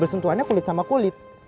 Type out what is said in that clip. bersentuhannya kulit sama kulit